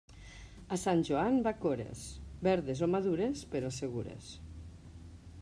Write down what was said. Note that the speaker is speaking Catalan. A Sant Joan, bacores; verdes o madures, però segures.